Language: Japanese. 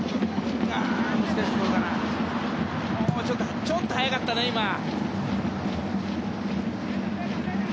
ちょっと早かったね、今。